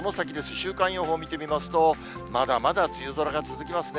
週間予報見てみますと、まだまだ梅雨空が続きますね。